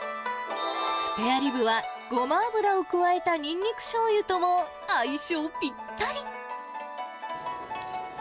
スペアリブは、ごま油を加えたニンニクしょうゆとも相性ぴったり。